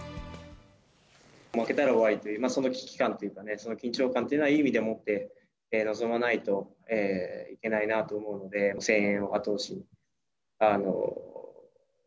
負けたら終わりという、その危機感というか、その緊張感というのは、いい意味でもって臨まないといけないなと思うので、声援を後押し